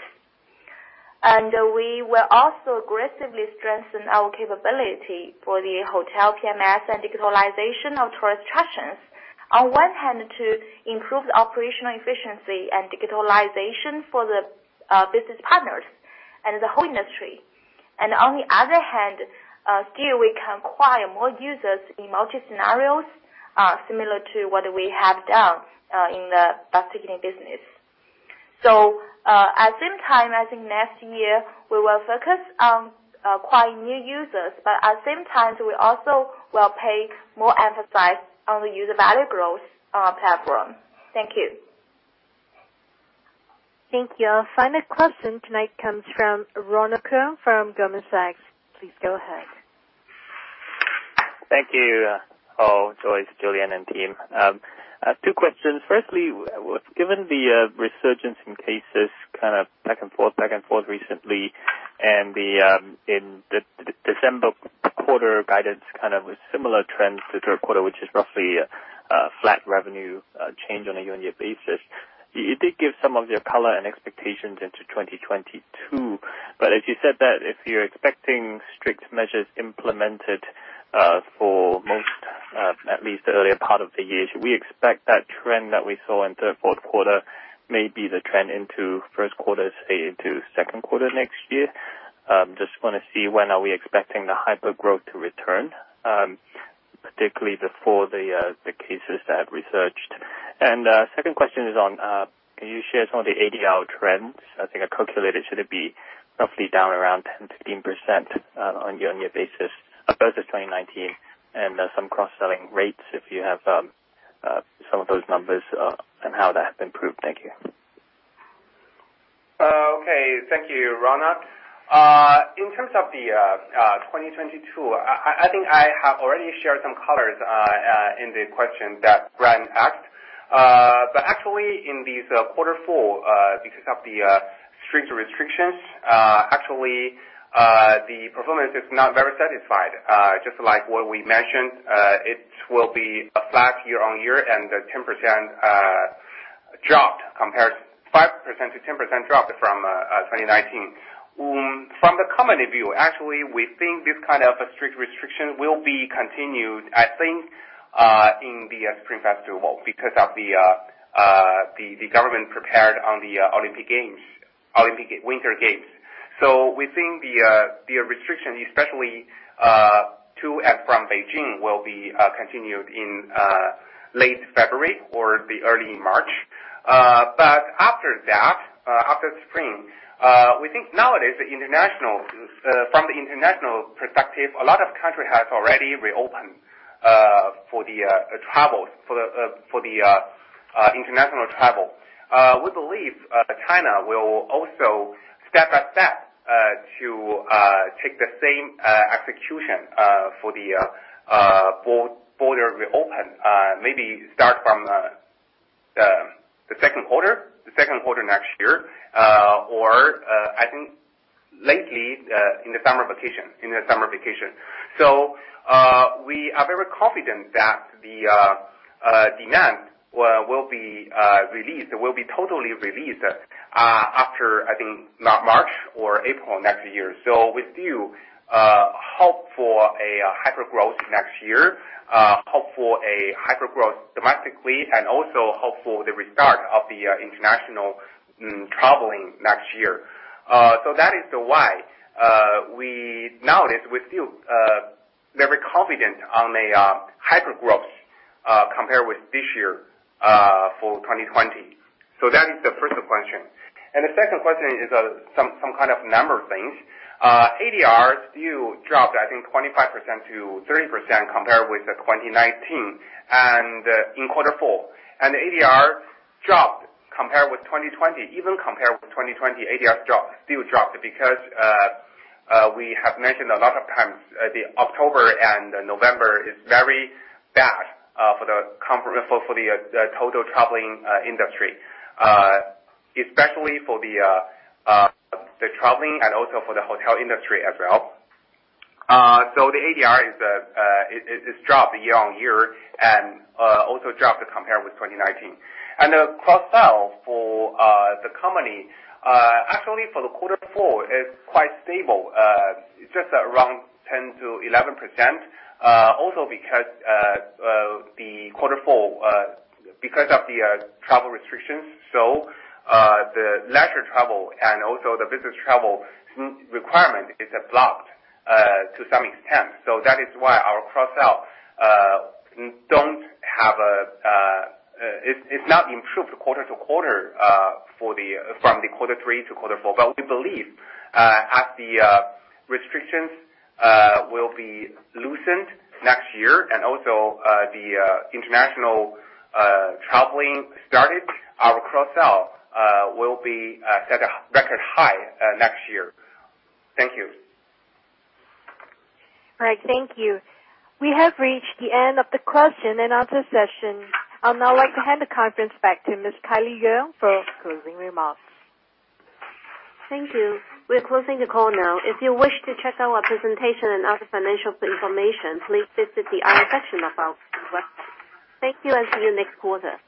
We will also aggressively strengthen our capability for the hotel PMS and digitalization of tourist attractions, on one hand, to improve the operational efficiency and digitalization for the business partners and the whole industry. On the other hand, still we can acquire more users in multi scenarios, similar to what we have done, in the bus ticketing business. At the same time, I think next year we will focus on acquiring new users, but at the same time, we also will pay more emphasis on the user value growth on our platform. Thank you. Thank you. Our final question tonight comes from Ronald Keung from Goldman Sachs. Please go ahead. Thank you all, Joyce, Julian, and team. I have two questions. Firstly, given the resurgence in cases kind of back and forth recently, and in the December quarter guidance kind of similar trends to third quarter, which is roughly flat revenue change on a year-on-year basis, you did give some of your color and expectations into 2022, but as you said that if you're expecting strict measures implemented for most at least the earlier part of the year, should we expect that trend that we saw in third, fourth quarter may be the trend into first quarter, say into second quarter next year? Just wanna see when are we expecting the hypergrowth to return. Particularly before the cases had resurged. Second question is on can you share some of the ADR trends? I think I calculated should it be roughly down around 10%-15% on year-on-year basis versus 2019, and some cross-selling rates, if you have, some of those numbers, and how that have improved. Thank you. Okay. Thank you, Ronald. In terms of the 2022, I think I have already shared some colors in the question that Brian asked. But actually in this quarter four, because of the strict restrictions, actually, the performance is not very satisfactory. Just like what we mentioned, it will be a flat year-over-year and 5%-10% drop from 2019. From the company view, actually, we think this kind of strict restriction will be continued, I think, in the Spring Festival because of the government's preparations for the Olympic Winter Games. We think the restriction especially to and from Beijing will be continued in late February or early March. After that, after spring, from the international perspective, a lot of country has already reopened for international travel. We believe China will also step by step to take the same execution for the border reopen, maybe start from the second quarter next year, or I think lately in the summer vacation. We are very confident that the demand will be released, will be totally released after, I think, not March or April next year. We still hope for a hypergrowth next year, hope for a hypergrowth domestically and also hope for the restart of the international traveling next year. That is why we nowadays feel very confident on a hypergrowth compared with this year for 2020. That is the first question. The second question is some kind of number things. ADR still dropped, I think 25%-30% compared with 2019 and in quarter four. ADR dropped compared with 2020. Even compared with 2020, ADRs dropped, still dropped because we have mentioned a lot of times, the October and November is very bad for the comprehensive, for the total traveling industry, especially for the traveling and also for the hotel industry as well. The ADR is, it's dropped year-on-year and also dropped compared with 2019. The cross-sell for the company, actually for quarter four is quite stable, just around 10%-11%, also because the quarter four, because of the travel restrictions. The leisure travel and also the business travel requirement is blocked to some extent. That is why our cross-sell don't have a, a... It's not improved quarter-over-quarter from quarter three to quarter four. We believe as the restrictions will be loosened next year and also the international traveling started, our cross-sell will be set a record high next year. Thank you. All right. Thank you. We have reached the end of the question and answer session. I would now like to hand the conference back to Ms. Kylie Yeung for closing remarks. Thank you. We're closing the call now. If you wish to check our presentation and other financial information, please visit the IR section of our website. Thank you and see you next quarter.